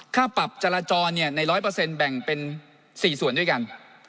ค่าปรับจราจรใน๑๐๐แบ่งเป็น๔ส่วนด้วยกัน